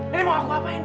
nenek mau aku ngapain